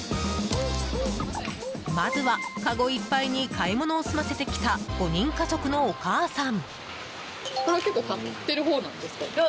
まずは、かごいっぱいに買い物を済ませてきた５人家族のお母さん。